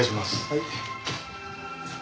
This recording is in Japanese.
はい。